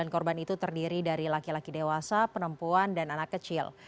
sembilan korban itu terdiri dari laki laki dewasa perempuan dan anak kecil